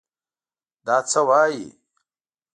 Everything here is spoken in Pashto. دا څه وايې!